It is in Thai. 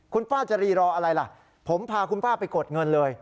คุณป้าจะรีรออะไรล่ะผมพาคุณป้าไปกดเงินเลย